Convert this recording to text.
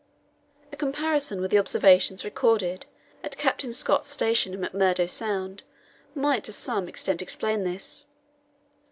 A comparison with the observations recorded at Captain Scott's station in McMurdo Sound might to some extent explain this.